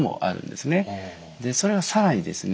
それが更にですね